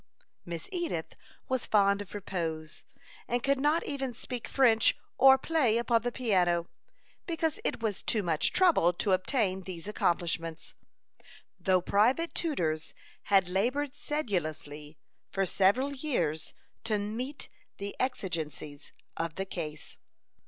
Miss Edith was fond of repose, and could not even speak French or play upon the piano, because it was too much trouble to obtain these accomplishments, though private tutors had labored sedulously for several years to meet the exigencies of the case.